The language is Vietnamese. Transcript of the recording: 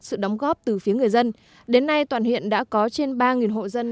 sự đóng góp từ phía người dân đến nay toàn huyện đã có trên ba hộ dân